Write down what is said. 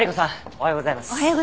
おはようございます。